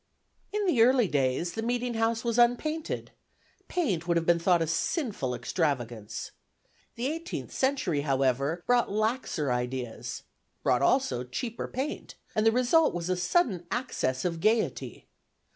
In the early days, the meeting house was unpainted; paint would have been thought a sinful extravagance. The eighteenth century, however, brought laxer ideas; brought also cheaper paint, and the result was a sudden access of gayety.